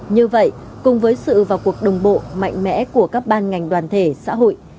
như vậy cùng với sự vào cuộc đồng bộ mạnh mẽ của các ban ngành đoàn thể xã hội